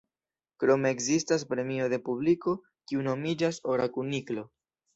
Krome ekzistas premio de publiko, kiu nomiĝas Ora Kuniklo.